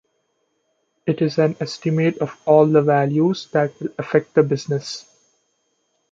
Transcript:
It is an estimate of all the values that will affect the business.